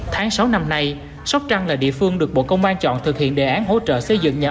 tháng sáu năm nay sóc trăng là địa phương được bộ công an chọn thực hiện đề án hỗ trợ xây dựng nhà